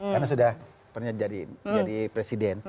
karena sudah pernah jadi presiden